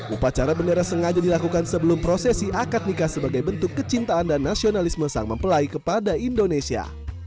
upacara bendera sengaja dilakukan sebelum prosesi akad nikah sebagai bentuk kecintaan dan nasionalisme sang mempelai kepada indonesia